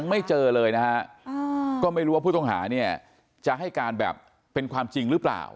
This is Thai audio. ไม่เจอเลยนะฮะก็ไม่รู้ว่าผู้ต้องหาเนี่ยจะให้การแบบเป็นความจริงหรือเปล่า